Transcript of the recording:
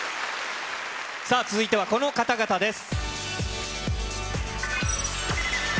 さあ続いてはこの方々です。